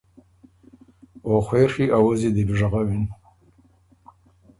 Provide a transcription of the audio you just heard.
او خوېڒی اوزّي دی بو ژغوِن۔